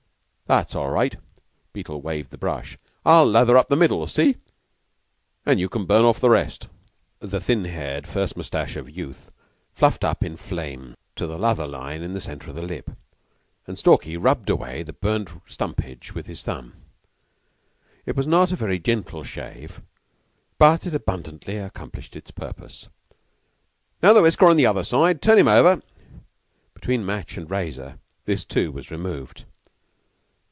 "That's all right." Beetle waved the brush. "I'll lather up to the middle see? and you can burn off the rest." The thin haired first mustache of youth fluffed off in flame to the lather line in the centre of the lip, and Stalky rubbed away the burnt stumpage with his thumb. It was not a very gentle shave, but it abundantly accomplished its purpose. "Now the whisker on the other side. Turn him over!" Between match and razor this, too, was removed.